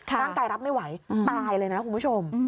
ร่างกายรับไม่ไหวตายเลยนะคุณผู้ชม